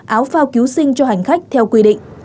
áo phao cứu sinh cho hành khách theo quy định